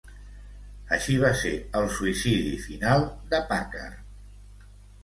Així va ser el suïcidi final de Packard.